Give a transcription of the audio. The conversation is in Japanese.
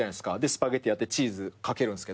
スパゲティあってチーズかけるんすけども。